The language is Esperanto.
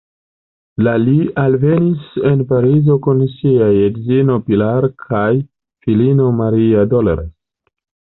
La li alvenis en Parizo kun siaj edzino Pilar kaj filino Maria Dolores.